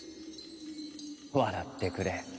笑ってくれ。